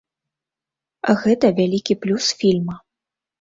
Гэта вялікі плюс фільма.